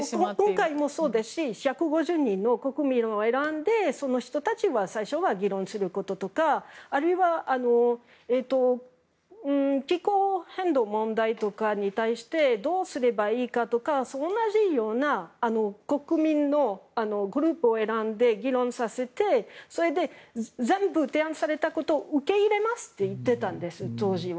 今回もそうですし１５０人の国民を選んでその人たちは最初は議論することとかあるいは気候変動問題とかに対してどうすればいいかとか同じような国民のグループを選んで議論させてそれで全部提案されたことを受け入れますと言ってたんです、当時は。